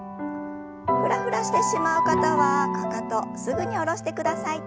フラフラしてしまう方はかかとすぐに下ろしてください。